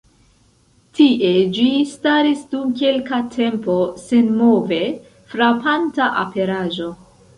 Tie ĝi staris dum kelka tempo, senmove; frapanta aperaĵo.